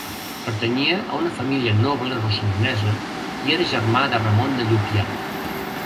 Pertanyia a una família noble rossellonesa i era germà de Ramon de Llupià.